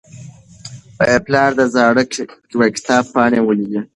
پلار د زاړه کتاب پاڼې ولیدې.